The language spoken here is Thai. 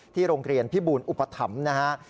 ที่โรงเรียนพิบูรณ์อุปฐรรมนะฮะ